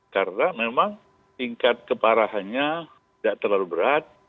karena memang tingkat keparahannya tidak terlalu berat